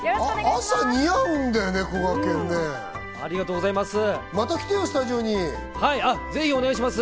朝に似合うんだよね、こがけありがとうございます。